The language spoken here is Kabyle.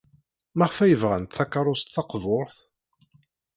Maɣef ay bɣant takeṛṛust taqburt?